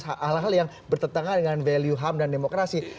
hal hal yang bertentangan dengan value ham dan demokrasi